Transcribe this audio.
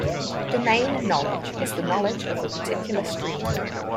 Domain knowledge is the knowledge of a particular stream.